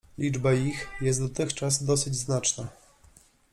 Liczba ich jest dotychczas dosyć znaczna.